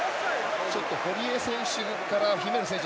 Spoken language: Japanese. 堀江選手から姫野選手